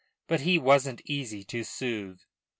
But he wasn't easy to soothe.